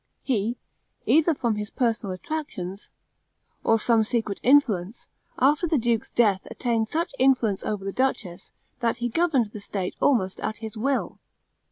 He, either from his personal attractions, or some secret influence, after the duke's death attained such influence over the duchess, that he governed the state almost at his will.